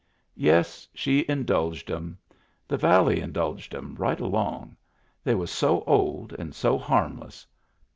Yes, she indulged 'em. The valley indulged *em right along. They was so old and so harmless.